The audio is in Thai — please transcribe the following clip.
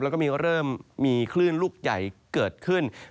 แล้วก็เริ่มมีคลื่นลูกใหญ่เกิดขึ้น